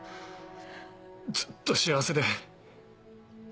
ずっと幸せで。